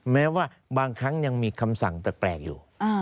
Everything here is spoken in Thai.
แม้ว่าบางครั้งยังมีคำสั่งแปลกอยู่